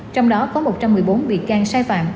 trong đó có một trăm một mươi bốn bị can sai phạm